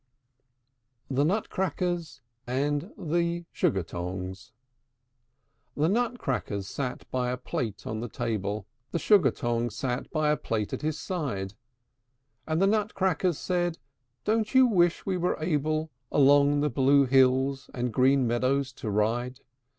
THE NUTCRACKERS AND THE SUGAR TONGS. I. The Nutcrackers sate by a plate on the table; The Sugar tongs sate by a plate at his side; And the Nutcrackers said, "Don't you wish we were able Along the blue hills and green meadows to ride?